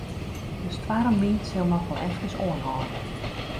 De stoarmwyn sil noch wol efkes oanhâlde.